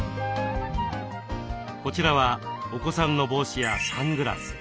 こちらはお子さんの帽子やサングラス。